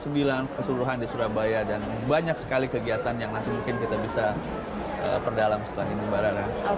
jadi kita sudah mencari banyak kegiatan yang bisa kita perdalam setelah ini mbak rara